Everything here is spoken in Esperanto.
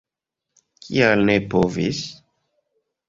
Kial ne povis?